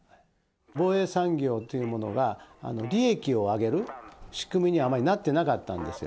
防衛産業というものが利益を上げる仕組みにはあまりなってなかったんですよ。